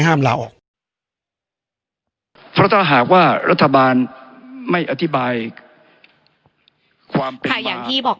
ห้ามก็หาว่ารัฐบาลไม่อธิบายความค่ะอย่างที่บอก